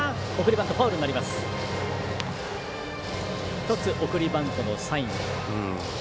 一つ、送りバントのサイン。